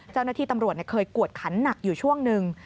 เจ้าหน้าที่ตำรวจเคยกวดขันหนักอยู่ช่วงหนึ่ง